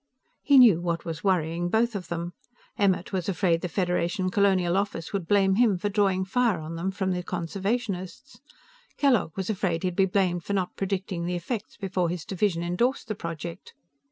He knew what was worrying both of them. Emmert was afraid the Federation Colonial Office would blame him for drawing fire on them from the conservationists. Kellogg was afraid he'd be blamed for not predicting the effects before his division endorsed the project.